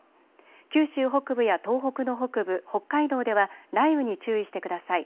九州北部や東北の北部、北海道では雷雨に注意してください。